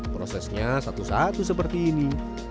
prosesnya satu satu seperti ini